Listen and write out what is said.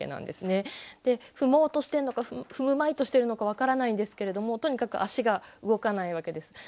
で踏もうとしてるのか踏むまいとしてるのか分からないんですけれどもとにかく足が動かないわけです。